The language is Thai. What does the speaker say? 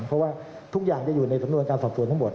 เพราะว่าทุกอย่างจะอยู่ในสำนวนการสอบสวนทั้งหมด